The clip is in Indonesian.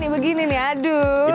begini nih aduh